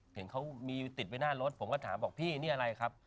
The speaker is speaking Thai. เห็นเขามีติดไว้หน้ารถผมก็ถามบอกพี่นี่อะไรครับ